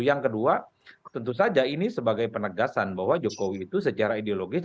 yang kedua tentu saja ini sebagai penegasan bahwa jokowi ini tidak akan menjadi pemerintah